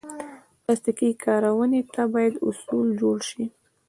پلاستيکي کارونې ته باید اصول جوړ شي.